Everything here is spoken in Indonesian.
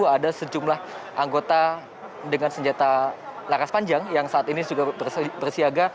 ada sejumlah anggota dengan senjata laras panjang yang saat ini juga bersiaga